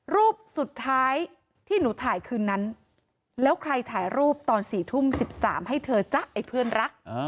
รูปสุดท้ายที่หนูถ่ายคืนนั้นแล้วใครถ่ายรูปตอน๔ทุ่ม๑๓ให้เธอจ๊ะไอ้เพื่อนรัก